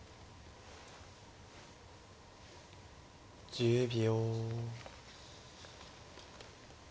１０秒。